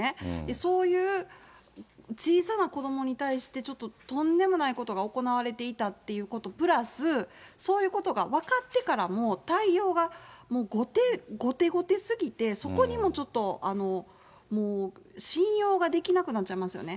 そういう小さな子どもに対して、ちょっととんでもないことが行われていたということプラス、そういうことが分かってからも、対応がもう後手後手すぎて、そこにもちょっと、信用ができなくなっちゃいますよね。